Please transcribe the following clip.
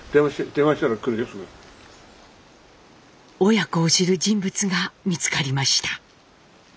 親子を知る人物が見つかりました。